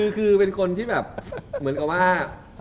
คือเป็นคนที่แบบเหมือนกับว่า